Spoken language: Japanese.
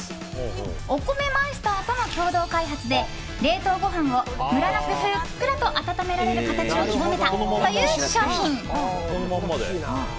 お米マイスターとの共同開発で冷凍ご飯をムラなく、ふっくらと温められる形を極めたという商品。